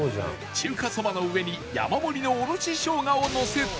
中華そばの上に山盛りのおろししょうがをのせて